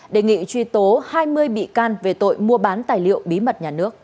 đề nghị truy tố hai mươi bị can về tội mua bán tài liệu bí mật